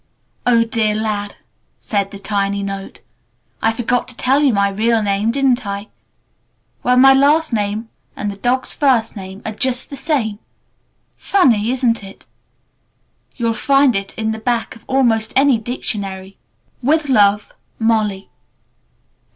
"Oh, dear Lad," said the tiny note, "I forgot to tell you my real name, didn't I! Well, my last name and the dog's first name are just the same. Funny, isn't it? (You'll find it in the back of almost any dictionary.) "With love, "MOLLY.